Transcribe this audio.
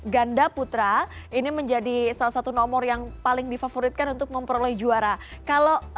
ganda putra ini menjadi salah satu nomor yang paling difavoritkan untuk memperoleh juara kalau